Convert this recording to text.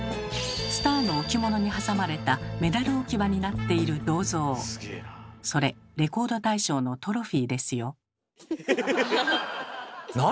スターの置物に挟まれたメダル置き場になっている銅像それレコード大賞のトロフィーですよ。